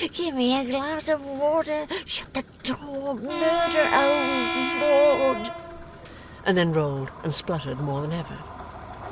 Give me a glass of water. Shut the door. Murder! Oh Lord!' And then rolled and spluttered more than ever.